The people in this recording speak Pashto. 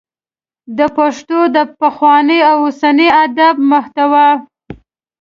د پښتو د پخواني او اوسني ادب محتوا